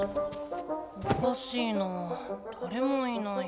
おかしいなぁだれもいない。